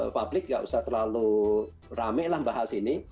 publik nggak usah terlalu rame lah bahas ini